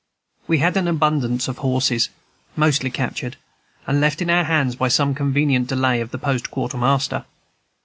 We had an abundance of horses, mostly captured and left in our hands by some convenient delay of the post quartermaster.